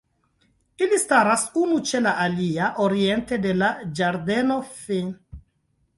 Ili staras unu ĉe la alia oriente de la Ĝardeno Fin.